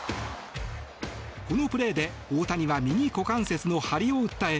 このプレーで大谷は右股関節の張りを訴え